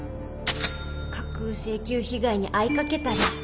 架空請求被害に遭いかけたり。